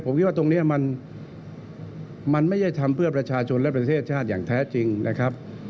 ผมคิดว่าตรงนี้มันไม่ใช่ทำเพื่อประชาชนและประเทศชาติอย่างแท้จริงนะครับ